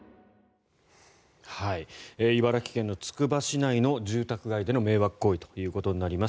茨城県のつくば市内の住宅街での迷惑行為となります。